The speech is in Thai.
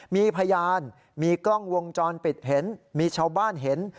มีพยานมีกล้องวงจรปิดเห็นมีชาวบ้านเห็น